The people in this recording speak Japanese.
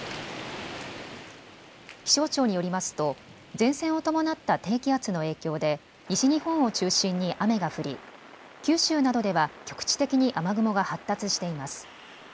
気象庁によりますと前線を伴った低気圧の影響で西日本を中心に雨が降り、九州などでは、局地的に雨雲が発達しています。